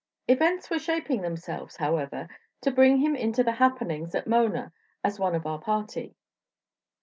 Events were shaping themselves, however, to bring him into the happenings at Mona as one of our party.